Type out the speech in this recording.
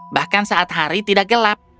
bahkan saat hari tidak gelap